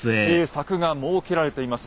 柵が設けられています。